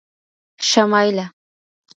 شمایله